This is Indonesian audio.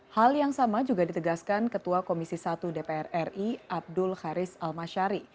hal yang sama juga ditegaskan ketua komisi satu dpr ri abdul haris almasyari